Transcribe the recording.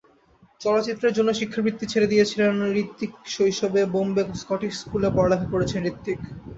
চলচ্চিত্রের জন্য শিক্ষাবৃত্তি ছেড়ে দিয়েছিলেন হৃতিকশৈশবে বোম্বে স্কটিশ স্কুলে পড়ালেখা করেছেন হৃতিক।